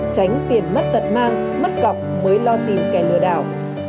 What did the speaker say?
tránh tiền mất tật mang mất cọc mới lo tìm kẻ lừa đảo